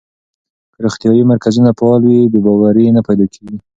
که روغتیايي مرکزونه فعال وي، بې باوري نه پیدا کېږي.